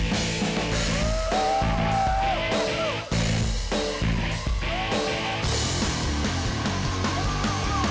tes inilah yang akan menentukan siapa pemimpin warior